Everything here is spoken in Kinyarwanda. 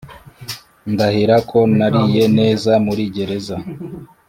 ndahira ko nariye neza muri gereza